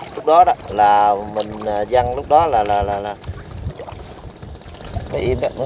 lúc đó là mình văn lúc đó là